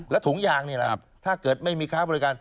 แล้วถุงยางนี่แหละถ้าเกิดไม่มีค้าบริการ